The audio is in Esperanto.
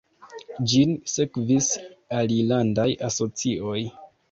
Ĝin sekvis alilandaj asocioj.